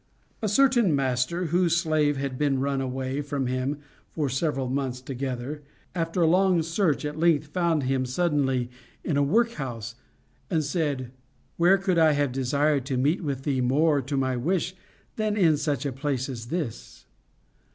A certain master, whose slave had been run away from him for several months together, after a long search at length found him suddenly in a workhouse, and said, Where could I have desired to meet with thee more to my wish than in such a place as this'?